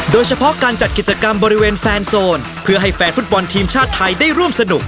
โดยเฉพาะการจัดกิจกรรมบริเวณแฟนโซนเพื่อให้แฟนฟุตบอลทีมชาติไทยได้ร่วมสนุก